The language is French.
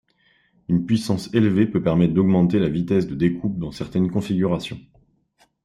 Une puissance élevée peut permettre d’augmenter la vitesse de découpe dans certaines configurations.